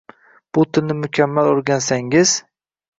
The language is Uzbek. Bu tilni mukammal o’rgansangiz